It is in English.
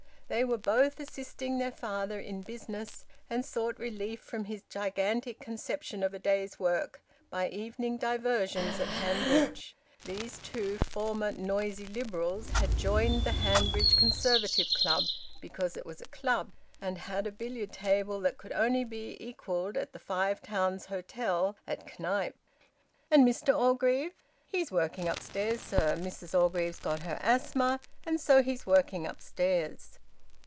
They were both assisting their father in business, and sought relief from his gigantic conception of a day's work by evening diversions at Hanbridge. These two former noisy Liberals had joined the Hanbridge Conservative Club because it was a club, and had a billiard table that could only be equalled at the Five Towns Hotel at Knype. "And Mr Orgreave?" "He's working upstairs, sir. Mrs Orgreave's got her asthma, and so he's working upstairs."